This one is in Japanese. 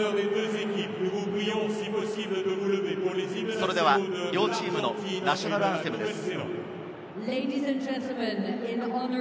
それでは両チームのナショナルアンセムです。